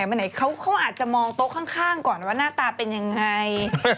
เนื่องหน้าก่อนอื่นฉกโรงอะไรไงนะก็ไปกินข้าวกินนม